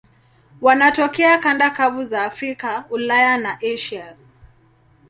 Wanatokea kanda kavu za Afrika, Ulaya na Asia.